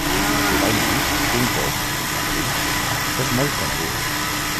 Naturalment, Punto, en canvi, és molt conegut.